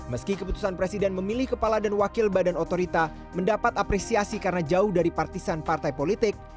meski keputusan presiden memilih kepala dan wakil badan otorita mendapat apresiasi karena jauh dari partisan partai politik